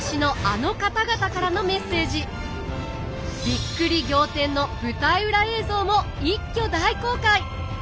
びっくり仰天の舞台裏映像も一挙大公開！